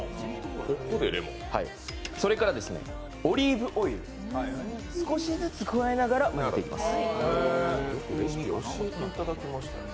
それからオリーブオイル、少しずつ加えながら増せていきます。